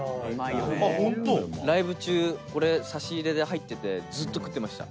玉森：ライブ中これ差し入れで入っててずっと食ってました。